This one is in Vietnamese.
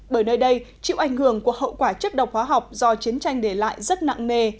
bởi nơi đây chịu ảnh hưởng của hậu quả chất độc hóa học do chiến tranh để lại rất nặng nề